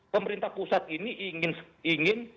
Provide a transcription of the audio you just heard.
pemerintah pusat ini ingin